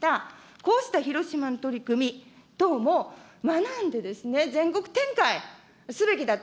こうした広島の取り組み等も学んでですね、全国展開すべきだと。